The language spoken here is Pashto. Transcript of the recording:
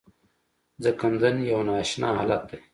ځنکدن یو نا اشنا حالت دی .